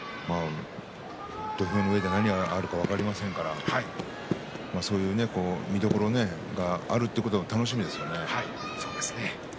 土俵の上では何があるか分かりませんからそういう見どころがあるというのは楽しみですね。